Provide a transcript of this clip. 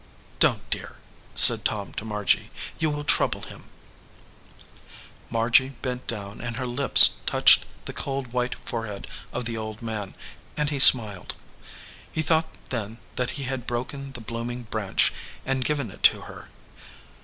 "Don t, dear," said Tom to Margy; "you will trouble him." Margy bent down, and her lips touched the cold, white forehead of the old man, and he smiled. He thought then that he had broken the blooming branch and given it to her.